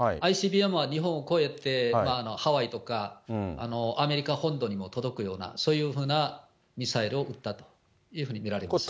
ＩＣＢＭは日本を越えて、ハワイとかアメリカ本土にも届くような、そういうふうなミサイルを撃ったというふうに見られています。